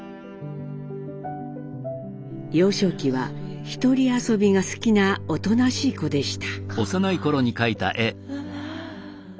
幼少期はひとり遊びが好きなおとなしい子でした。